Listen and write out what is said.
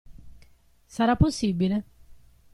Sarà possibile?